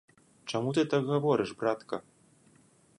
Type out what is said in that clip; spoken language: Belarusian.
Чаму ты так гаворыш, братка?